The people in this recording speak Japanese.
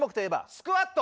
スクワット。